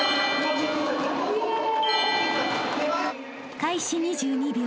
［開始２２秒］